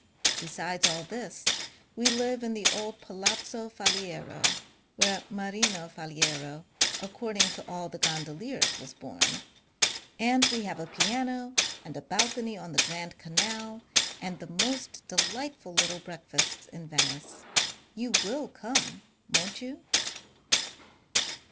Besides all this, we live in the old Palazzo Faliero (where Marino Faliero, according to all the gondoliers, was bom) and we have a piano and a balcony on the Grand Canal, and the most delightful little breakfasts in Venice. You will come, won't you